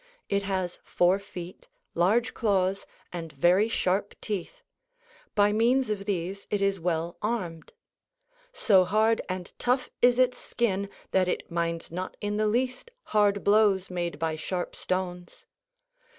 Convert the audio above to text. It has four feet, large claws, and very sharp teeth; by means of these it is well armed. So hard and tough is its skin, that it minds not in the least hard blows made by sharp stones.